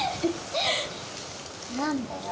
何だよ？